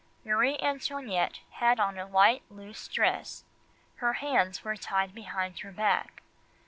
Marie Antoinette had on a white loose dress, her hands were tied behind her back.